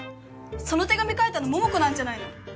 その手紙書いたの桃子なんじゃないの？